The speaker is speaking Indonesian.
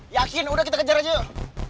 yakin udah kita kejar aja yuk